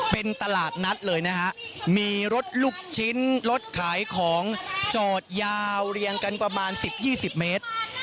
เป็นตลาดนัดเลยนะฮะมีรถลูกชิ้นรถขายของจอดยาวเรียงกันประมาณ๑๐๒๐เมตร